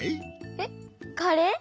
へっカレー？